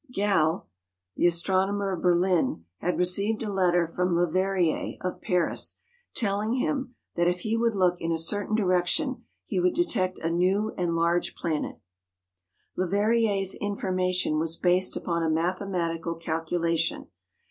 Galle, the astronomer of Berlin, had received a letter from Leverrier, of Paris, telling him that if he would look in a certain direction he would detect a new and large planet. Leverrier's information was based upon a mathematical calculation.